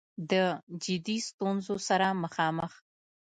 د جدي ستونځو سره مخامخ